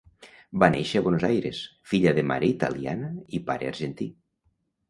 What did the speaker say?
Va néixer a Buenos Aires, filla de mare italiana i pare argentí.